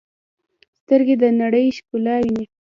سترګې د نړۍ ښکلا ویني.